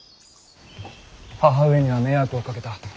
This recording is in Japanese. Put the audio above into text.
母上には迷惑をかけた。